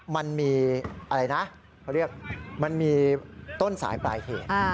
มันมีอะไรนะเขาเรียกมันมีต้นสายปลายเหตุ